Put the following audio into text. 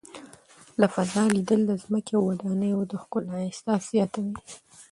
له فضا لیدل د ځمکې او ودانیو د ښکلا احساس زیاتوي.